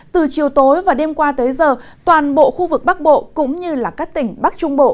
từ chiều tối và đêm qua tới giờ toàn bộ khu vực bắc bộ cũng như các tỉnh bắc trung bộ